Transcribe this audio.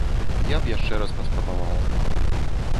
Я б яшчэ раз паспрабавала.